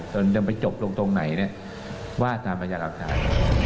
จะไปจบตรงไหนเนี่ยว่าสามัญญาณรับฐาน